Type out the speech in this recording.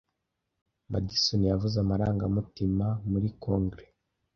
Madison yavuze amarangamutima muri Kongere.